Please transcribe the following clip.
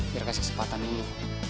biar kasih kesempatan dulu